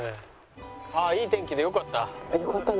ああいい天気でよかった。